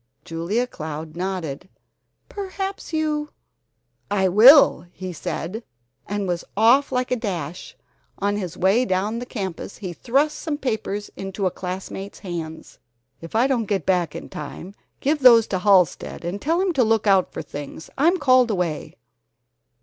Julia Cloud nodded. "Perhaps you " "I will!" he said, and was off like a flash. On his way down the campus he thrust some papers into a classmate's hands. "If I don't get back in time, give those to Halsted and tell him to look out for things. I'm called away."